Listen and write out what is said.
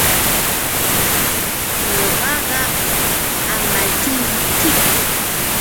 Ñuqapa Amachumćhiki.